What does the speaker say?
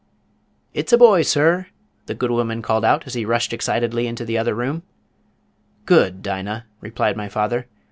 "It's a boy, sir," the good woman called out as she rushed excitedly into the other room. "Good, Dinah," replied my father.